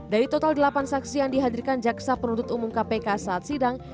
dari total delapan saksi yang dihadirkan jaksa penuntut umum kpk saat sidang